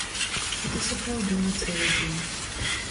Гэта сапраўды на цэлы дзень.